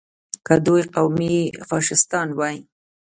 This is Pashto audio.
که دوی قومي فشیستان وای.